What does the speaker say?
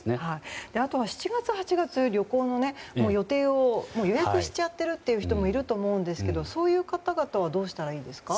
あとは７月、８月旅行の予定をもう、予約しちゃってるという人もいると思いますけどそういう方々はどうしたらいいんですか？